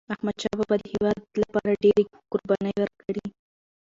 احمدشاه بابا د هیواد لپاره ډيري قربانی ورکړي.